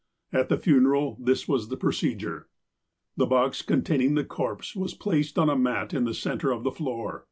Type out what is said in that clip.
At the funeral this was the procedure : The box containing the corpse was placed on a mat in the centre of the floor.